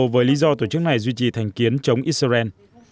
với lý do tổ chức này duy trì thành kiến chống israel